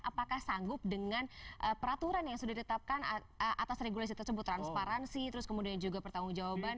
apakah sanggup dengan peraturan yang sudah ditetapkan atas regulasi tersebut transparansi terus kemudian juga pertanggung jawaban